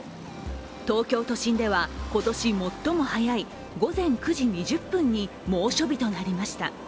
東京都心では今年最も早い朝９時２０分に猛暑日となりました。